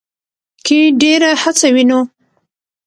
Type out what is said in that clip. کې ډېره هڅه وينو